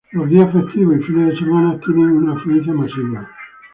Los días festivos y fines de semana tienen una afluencia masiva.